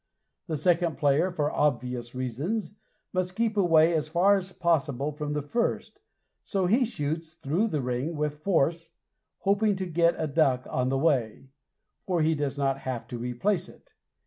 The second player, for obvious reasons, must keep away as far as possible from the first, so he shoots through the ring with force, hoping to get a duck on the way, for he does not have to replace it.